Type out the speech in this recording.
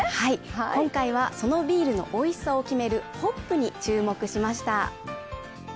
今回はそのビールのおいしさを決めるホップに注目しました。